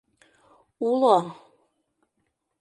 Уло...